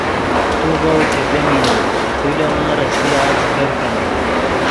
تو ڤؤ چے پیمینا تو لے ون ریسیا چے کرکینے